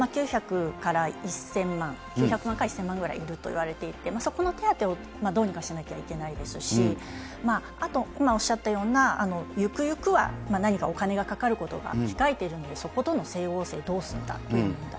どちらにも該当しない世帯というのが、９００から１０００万、９００万から１０００万ぐらいいるといわれていて、そこの手当をどうにかしなきゃいけないですし、あと今おっしゃったような、ゆくゆくは何かお金がかかることが控えているんで、そことの整合性をどうするんだという問題。